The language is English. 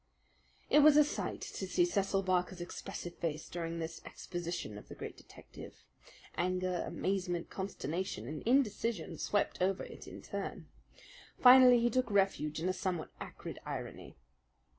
It was a sight to see Cecil Barker's expressive face during this exposition of the great detective. Anger, amazement, consternation, and indecision swept over it in turn. Finally he took refuge in a somewhat acrid irony.